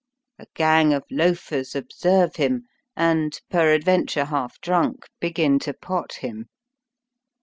A gang of loafers observe him, and, peradventure half drunk, begin to pot him.